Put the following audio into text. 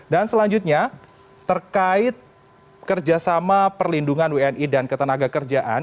dan selanjutnya terkait kerjasama perlindungan wni dan ketenaga kerjaan